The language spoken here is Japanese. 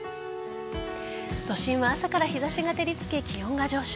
都心は朝から日差しが照りつけ気温が上昇。